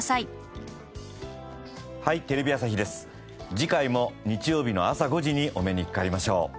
次回も日曜日の朝５時にお目にかかりましょう。